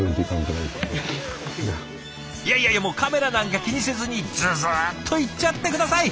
いやいやいやもうカメラなんか気にせずにズズっといっちゃって下さい。